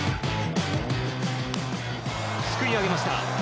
すくい上げました。